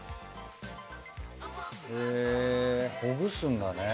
へぇほぐすんだね。